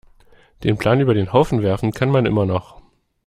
Den Plan über den Haufen werfen kann man immer noch.